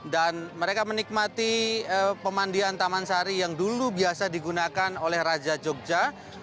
dan mereka menikmati pemandian taman sari yang dulu biasa digunakan oleh raja jogja